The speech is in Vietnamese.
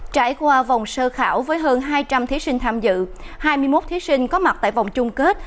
trải qua vòng sơ khảo với hơn hai trăm linh thí sinh tham dự hai mươi một thí sinh có mặt tại vòng chung kết